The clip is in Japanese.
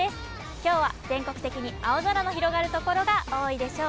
きょうは全国的に青空が広がる所が多いでしょう。